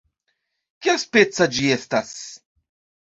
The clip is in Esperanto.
"Kiaspeca ĝi estas?"